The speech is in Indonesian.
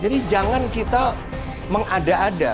jadi jangan kita mengada ada